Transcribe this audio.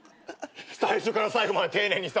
最初から最後まで丁寧にさ。